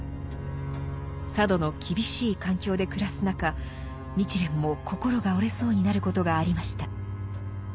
佐渡の厳しい環境で暮らす中日蓮も心が折れそうになることがありました。